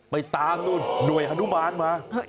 ไปตามหน่วยฮานุมานมา